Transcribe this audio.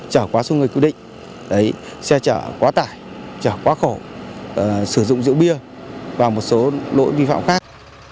trở quá số người quy định xe chở quá tải chở quá khổ sử dụng rượu bia và một số lỗi vi phạm khác